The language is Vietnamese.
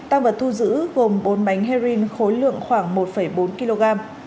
tăng vật thu giữ gồm bốn bánh heroin khối lượng khoảng một bốn kg